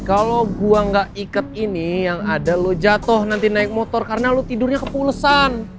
kalau gua gak ikat ini yang ada lo jatuh nanti naik motor karena lo tidurnya kepulesan